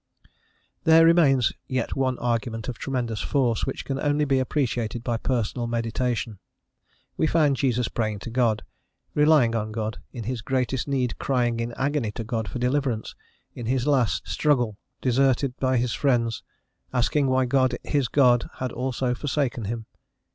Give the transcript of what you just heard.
There remains yet one argument of tremendous force, which can only be appreciated by personal meditation. We find Jesus praying to God, relying on God, in his greatest need crying in agony to God for deliverance, in his last: struggle, deserted by his friends, asking why God, his God, had also forsaken him.